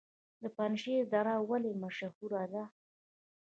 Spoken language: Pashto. د پنجشیر دره ولې مشهوره ده؟